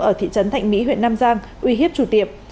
ở thị trấn thạnh mỹ huyện nam giang uy hiếp chủ tiệm